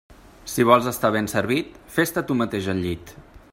Si vols estar ben servit, fes-te tu mateix el llit.